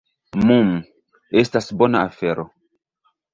"Mmm, estas bona afero."